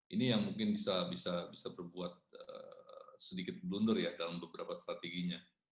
ini yang mungkin bisa berbuat sedikit blunder ya dalam beberapa strateginya